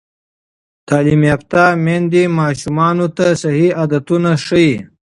تعلیم یافته میندې ماشومانو ته صحي عادتونه ښيي.